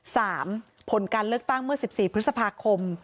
สามผลการเลือกตั้งเมื่อ๑๔พฤษภาคม